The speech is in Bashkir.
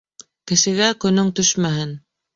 Кешегә көнөң төшмәһен.